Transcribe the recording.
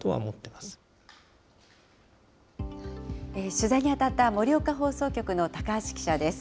取材に当たった、盛岡放送局の高橋記者です。